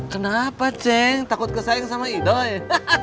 kenapa ceng takut kesayang sama ido ya